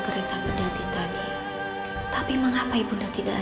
vir kitwin tapi ibu